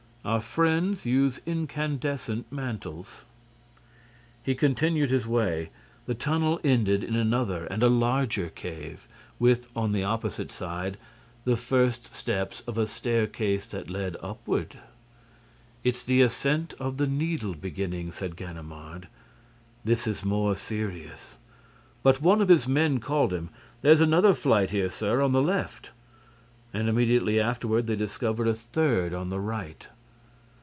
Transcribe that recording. "Our friends use incandescent mantles." He continued his way. The tunnel ended in another and a larger cave, with, on the opposite side, the first steps of a staircase that led upward. "It's the ascent of the Needle beginning," said Ganimard. "This is more serious." But one of his men called him: "There's another flight here, sir, on the left." And, immediately afterward, they discovered a third, on the right.